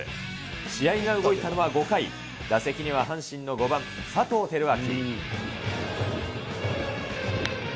試合が動いたのは５回、打席には阪神の５番、佐藤輝明。